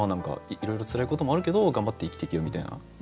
「いろいろつらいこともあるけど頑張って生きていけよ」みたいな。